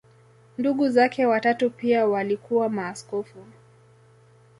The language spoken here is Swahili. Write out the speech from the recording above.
Ndugu zake watatu pia walikuwa maaskofu.